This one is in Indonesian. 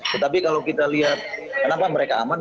tetapi kalau kita lihat kenapa mereka aman